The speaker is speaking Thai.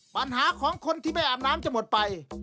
ปัญหาของคนที่ไม่อาบน้ำจะหมดไป